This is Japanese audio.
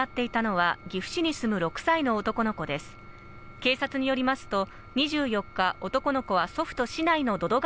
警察によりますと２４日、男の子は祖父と市内の百々ヶ